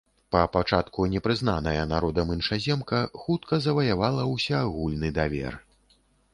Па пачатку не прызнаная народам іншаземка хутка заваявала ўсеагульны давер.